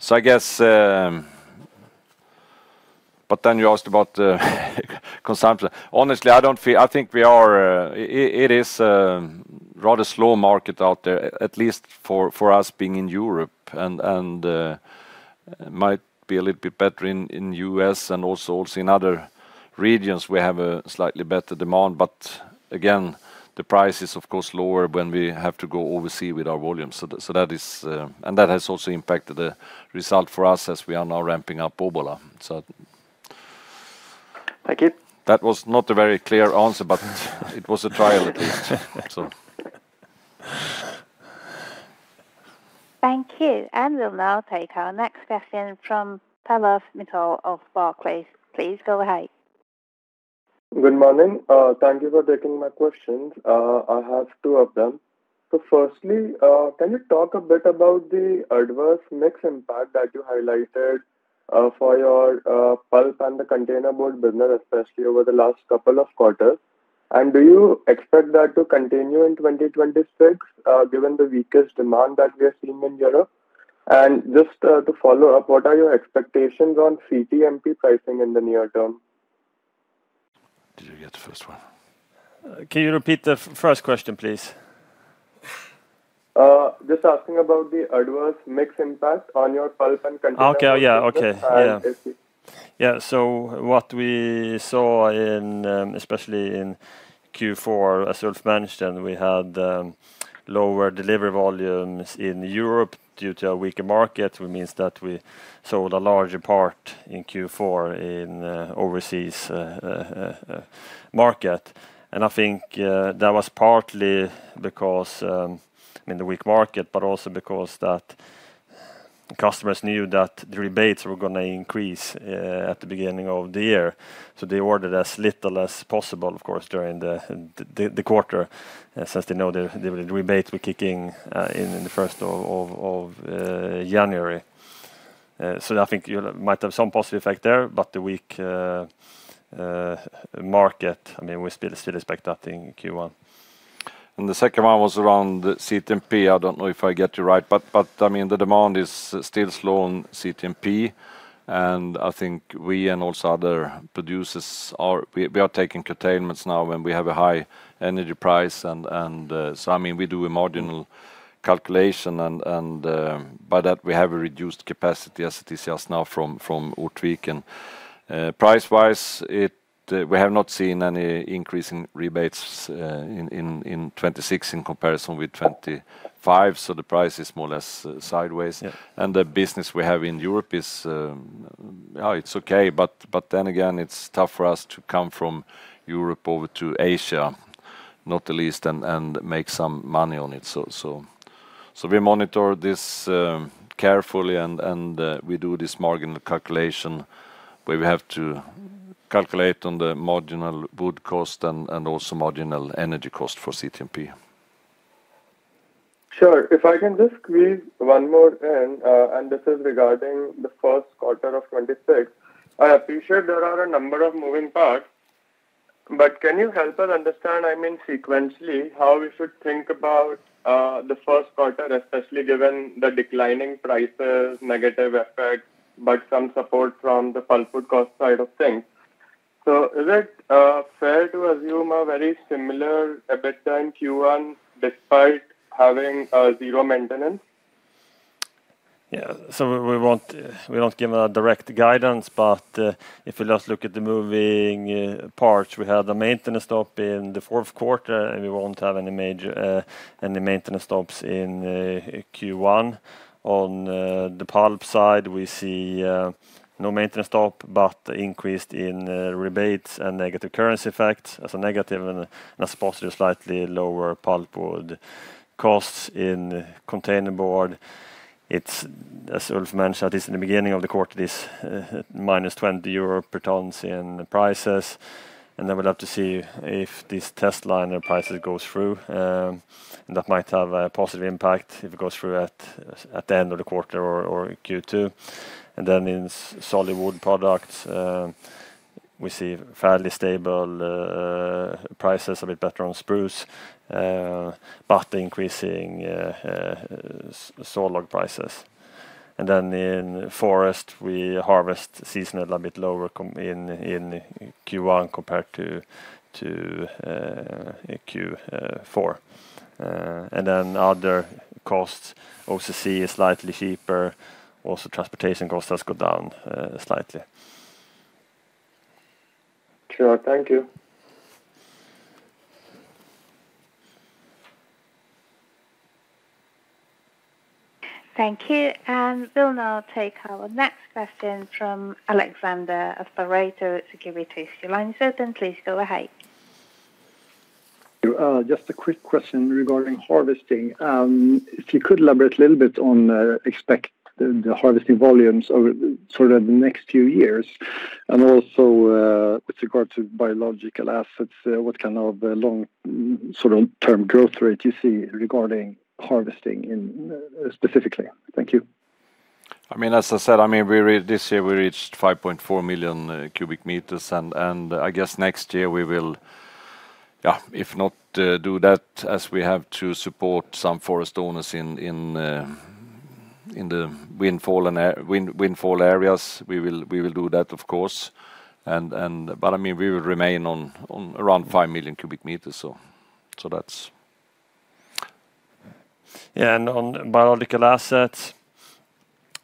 So I guess, but then you asked about the consumption. Honestly, I don't feel... I think we are, it is rather slow market out there, at least for us being in Europe, and might be a little bit better in the U.S. and also in other regions, we have a slightly better demand. But again, the price is, of course, lower when we have to go overseas with our volumes. So that is. And that has also impacted the result for us as we are now ramping up Obbola, so. Thank you. That was not a very clear answer, but it was a try at least, so. Thank you. We'll now take our next question from Pallav Mittal of Barclays. Please go ahead. Good morning. Thank you for taking my questions. I have two of them. So firstly, can you talk a bit about the adverse mix impact that you highlighted, for your, pulp and the containerboard business, especially over the last couple of quarters? And do you expect that to continue in 2026, given the weakest demand that we have seen in Europe? And just, to follow up, what are your expectations on CTMP pricing in the near term? Did you get the first one? Can you repeat the first question, please? Just asking about the adverse mix impact on your pulp and container? Okay. Yeah. Okay. Yeah. Yeah, so what we saw in, especially in Q4, as Ulf mentioned, we had, lower delivery volumes in Europe due to a weaker market, which means that we sold a larger part in Q4 in, overseas market. And I think, that was partly because, I mean, the weak market, but also because that customers knew that the rebates were gonna increase, at the beginning of the year. So they ordered as little as possible, of course, during the quarter, since they know the rebates were kicking in, in the first of January. So I think you might have some positive effect there, but the weak market, I mean, we still expect that in Q1. The second one was around CTMP. I don't know if I get you right, but I mean, the demand is still slow on CTMP, and I think we and also other producers are taking curtailments now, and we have a high energy price and so, I mean, we do a marginal calculation, and by that, we have a reduced capacity as it is just now from Ortviken. Price-wise, we have not seen any increase in rebates in 2026 in comparison with 2025, so the price is more or less sideways. And the business we have in Europe is, it's okay, but then again, it's tough for us to come from Europe over to Asia, not the least, and make some money on it. So we monitor this carefully, and we do this marginal calculation, where we have to calculate on the marginal wood cost and also marginal energy cost for CTMP. Sure. If I can just squeeze one more in, and this is regarding the first quarter of 2026. I appreciate there are a number of moving parts, but can you help us understand, I mean, sequentially, how we should think about the first quarter, especially given the declining prices, negative effect, but some support from the pulpwood cost side of things? So is it fair to assume a very similar EBITDA in Q1, despite having zero maintenance? Yeah. So we won't, we don't give a direct guidance, but if you just look at the moving parts, we have the maintenance stop in the fourth quarter, and we won't have any major any maintenance stops in Q1. On the pulp side, we see no maintenance stop, but increased in rebates and negative currency effects as a negative and as positive, slightly lower pulpwood costs. In containerboard, it's, as Ulf mentioned, at least in the beginning of the quarter, this -20 euro per ton in the prices, and then we'll have to see if this testliner prices goes through. And that might have a positive impact if it goes through at the end of the quarter or Q2. And then in solid wood products, we see fairly stable prices, a bit better on spruce, but increasing sawlog prices. And then in forest, we harvest seasonally a bit lower in Q1 compared to Q4. And then other costs, OCC is slightly cheaper; also transportation costs have gone down slightly. Sure. Thank you. Thank you. We'll now take our next question from Alexander Vilval of Pareto Securities. Your line is open. Please go ahead. Just a quick question regarding harvesting. If you could elaborate a little bit on expected the harvesting volumes over sort of the next few years, and also, with regard to biological assets, what kind of long, sort of, term growth rate you see regarding harvesting in specifically? Thank you. I mean, as I said, this year we reached 5.4 million cubic meters, and I guess next year we will, yeah, if not do that, as we have to support some forest owners in the windfall areas, we will do that, of course. But I mean, we will remain around 5 million cubic meters, so that's. Yeah, and on biological assets,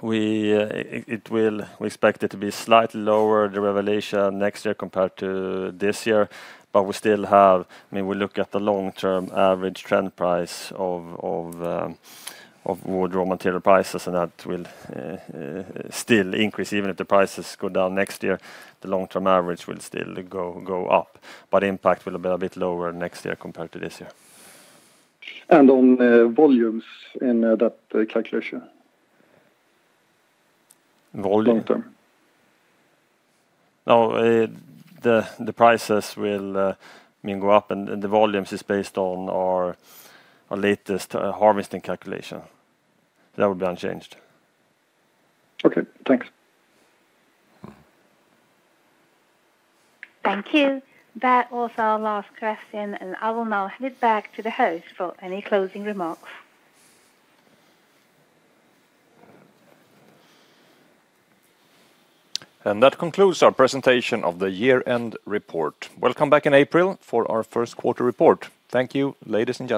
we expect it to be slightly lower, the valuation next year compared to this year, but we still have... I mean, we look at the long-term average trend price of wood raw material prices, and that will still increase even if the prices go down next year, the long-term average will still go up, but impact will be a bit lower next year compared to this year. On volumes in that calculation? Volume. Long term. No, the prices will, I mean, go up, and the volumes is based on our latest harvesting calculation. That would be unchanged. Okay. Thanks. Thank you. That was our last question, and I will now hand it back to the host for any closing remarks. That concludes our presentation of the year-end report. Welcome back in April for our first quarter report. Thank you, ladies and gentlemen.